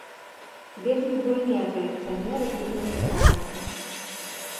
Вельмі буйныя калекцыянеры тут ім цікавяцца.